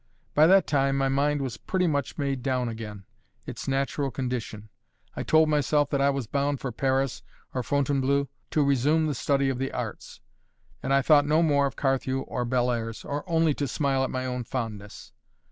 By that time my mind was pretty much made down again, its natural condition: I told myself that I was bound for Paris or Fontainebleau to resume the study of the arts; and I thought no more of Carthew or Bellairs, or only to smile at my own fondness.